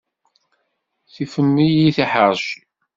Tifem-iyi tiḥeṛci.